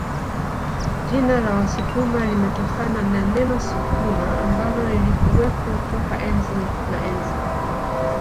Jina la Wasukuma limetokana na neno Sukuma ambalo lilikuwepo toka enzi na enzi